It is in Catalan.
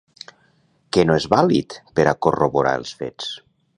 Què no és vàlid per a corroborar els fets?